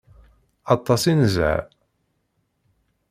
Aṭas i nezha.